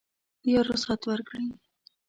یا رخصت ورکړي.